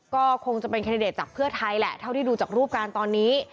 ก็คงจะเป็นแคนดิเดตจากเพื่อไทยแหละเท่าที่ดูจากรูปการณ์ตอนนี้